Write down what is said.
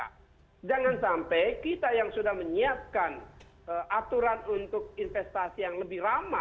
apalagi pengumpulan pekerjaan dan dalam obat keuangan gaataraungsi sekolah yang sudah menyiapkan aturan untuk investasi yang lebih ramah